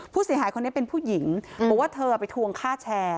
ผู้เสียหายคนนี้เป็นผู้หญิงบอกว่าเธอไปทวงค่าแชร์